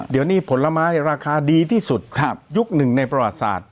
เดี๋ยวนี้ผลไม้ราคาดีที่สุดยุคหนึ่งในประวัติศาสตร์